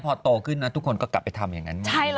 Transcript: เพื่อนหนูก็เป็น